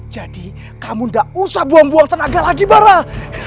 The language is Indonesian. jadi kamu tidak usah buang buang tenaga lagi barah